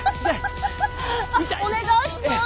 お願いします！